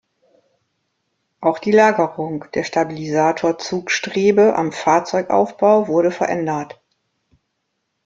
Auch die Lagerung der Stabilisator-Zugstrebe am Fahrzeugaufbau wurde verändert.